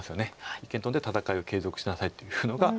一間トンで戦いを継続しなさいっていうのがＡＩの。